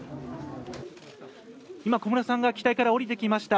今、小室さんが機体から降りてきました。